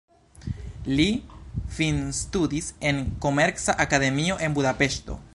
Li finstudis en komerca akademio, en Budapeŝto.